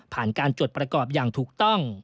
การจดประกอบอย่างถูกต้อง